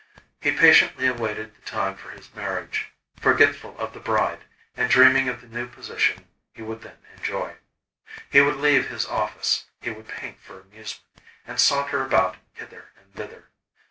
He patiently awaited the time for his marriage, forgetful of the bride, and dreaming of the new position he would then enjoy. He would leave his office, he would paint for amusement, and saunter about hither and thither.